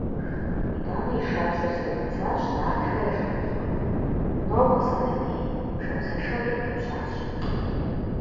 Итӏанэ и шабзэр зэӏуидзащ нартхэ я жэмыхъуэм: – Нокӏуэ, Сэтэней! – шабзэшэр къиутӏыпщащ.